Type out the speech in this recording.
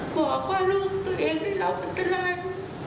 กว่าว่าลูกตัวเองตื่นรอบมันตลอด